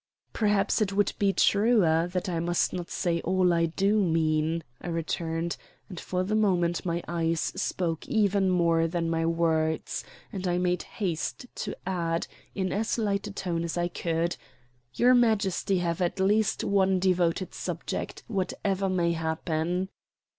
"Perhaps it would be truer that I must not say all I do mean," I returned, and for the moment my eyes spoke even more than my words; and I made haste to add, in as light a tone as I could: "Your Majesty will have at least one devoted subject, whatever may happen."